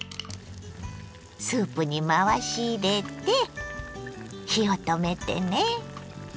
スープに回し入れて火を止めてね。